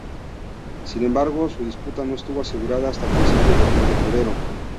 Sin embargo, su disputa no estuvo asegurada hasta principios del mes de febrero.